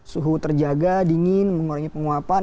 suhu terjaga dingin mengurangi penguapan